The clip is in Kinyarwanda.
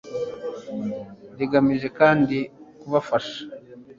rigamije kandi kubafasha